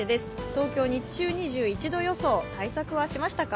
東京、日中２１度予想、対策はしましたか？